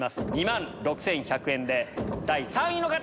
２万６１００円で第３位の方！